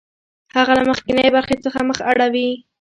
هغه له مخکینۍ برخې څخه مخ اړوي